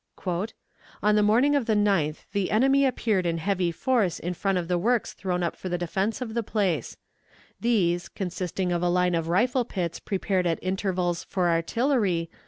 "On the morning of the 9th the enemy appeared in heavy force in front of the works thrown up for the defense of the place; these, consisting of a line of rifle pits prepared at intervals for artillery